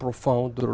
giới thiệu về